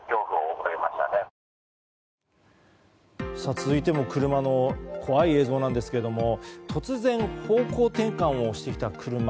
続いても車の怖い映像なんですが突然、方向転換をしてきた車。